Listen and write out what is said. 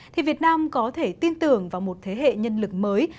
thì việt nam có thể tin tưởng vào một thế hệ nhân lực mới